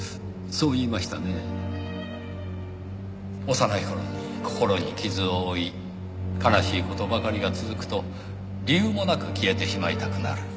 幼い頃に心に傷を負い悲しい事ばかりが続くと理由もなく消えてしまいたくなる。